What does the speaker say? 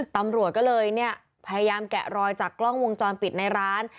ตำรวจก็เลยเนี่ยพยายามแกะรอยจากกล้องวงจรปิดในร้าน